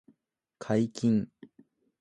解禁